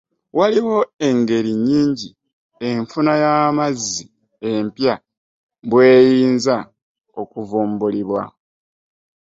Waliwo engeri nnyingi enfuna ya mazzi empya bw'eyinza okuvumbulibwa.